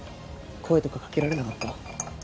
声とか掛けられなかった？